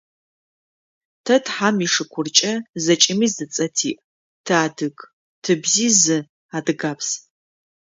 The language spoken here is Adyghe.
Тэ, тхьам ишыкуркӏэ, зэкӏэми зы цӏэ тиӏ – тыадыг, тыбзи – зы: адыгабз.